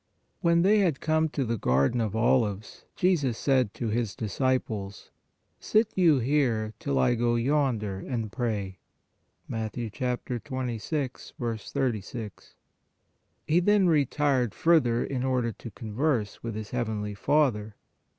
When they had come to the garden of olives, Jesus said to His disciples :" Sit you here, till I go yonder and pray " (Mat. 26. 36). He then retired further in order to converse with His heavenly Father.